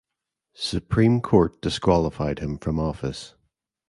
Supreme Court disqualified him from office.